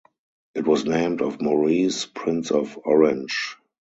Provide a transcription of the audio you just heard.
It was named for Maurice, Prince of Orange.